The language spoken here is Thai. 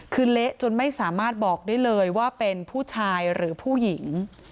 คือเละจนไม่สามารถบอกได้เลยว่าเป็นผู้ชายหรือผู้หญิง